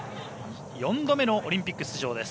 ４度目のオリンピック出場です。